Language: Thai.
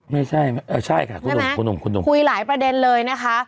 ไม่ใช่ใช่ค่ะคุณหนุ่มคุณหนุ่มคุณหนุ่มคุยหลายประเด็นเลยนะคะ